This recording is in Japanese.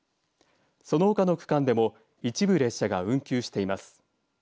その他の区間でも一部列車が運休しています。